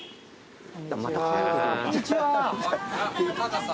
こんにちは。